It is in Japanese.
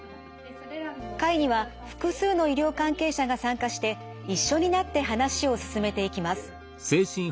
会には複数の医療関係者が参加して一緒になって話を進めていきます。